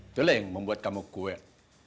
itulah yang membuat kamu coware